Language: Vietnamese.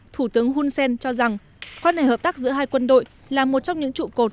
thủ tướng hun sen cho rằng quan hệ hợp tác giữa hai quân đội là một trong những trụ cột